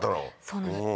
そうなんです